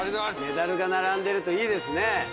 メダルが並んでるといいですね